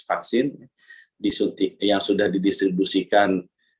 vaksin yang sudah didistribusikan